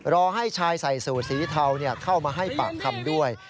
รอให้ชายใส่สูตรสีเทาเข้ามาให้ปากคำด้วย